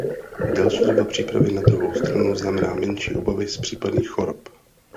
Delší doba přípravy na druhou stranu znamená menší obavy z případných chorob.